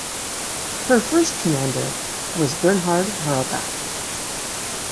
Her first commander was Bernhard Rogge.